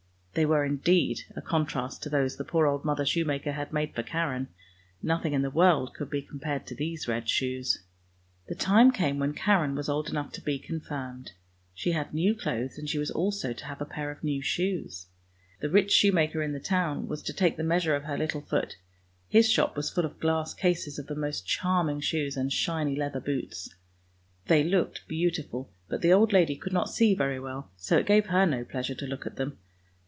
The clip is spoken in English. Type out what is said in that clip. They were indeed a contrast to those the poor old mother shoemaker had made for Karen. Nothing in the world could be compared to these red shoes. The time came when Karen was old enough to be confirmed; she had new clothes, and she was also to have a pair of new shoes. The rich shoemaker in the town was to take the measure of her little foot; his shop was full of glass cases of the most charming shoes and shiny leather boots. They looked beautiful, but the old lady could not see very well, so it gave her no pleasure to look at them.